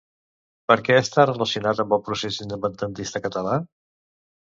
Per què està relacionat amb el procés independentista català?